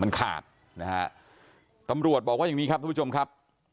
มันขาดนะฮะตำรวจบอกว่าอย่างนี้ครับทุกผู้ชมครับ